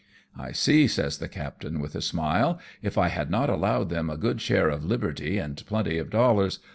"I see," says the captain with a smile, "if I had not allowed them a good share of liberty and plenty of dollars.